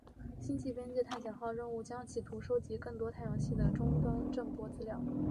星际边界探险号任务将企图收集更多太阳系的终端震波资料。